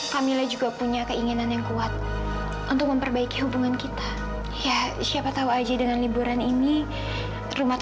kamu ngapain diam di sini sendirian